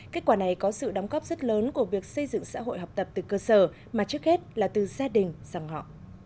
kết quả này có sự đóng góp rất lớn của việc xây dựng xã hội học tập từ cơ sở mà trước hết là từ gia đình dòng họ